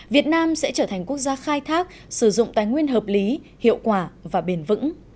việt nam sẽ trở thành quốc gia khai thác sử dụng tài nguyên hợp lý hiệu quả và bền vững